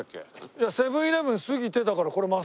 いやセブン−イレブン過ぎてだからこれ。